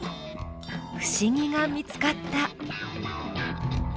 不思議が見つかった。